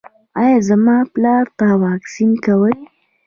ایا زما پلار ته واکسین کوئ؟